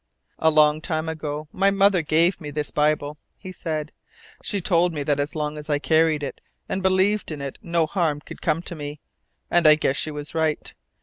"A long time ago, my mother gave me this Bible," he said. "She told me that as long as I carried it, and believed in it, no harm could come to me, and I guess she was right.